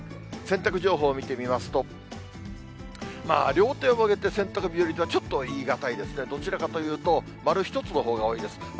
洗濯情報見てみますと、両手を上げて洗濯日和とはちょっと言い難いですけど、どちらかというと、丸１つのほうが多いです。